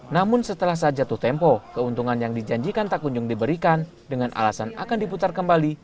namun setelah saja tuh tempo keuntungan yang dijanjikan tak kunjung diberikan dengan alasan akan diputar kembali